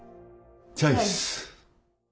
チョイス！